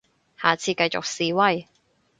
下次繼續示威